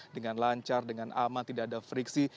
dengan lancar dengan aman tidak ada friksi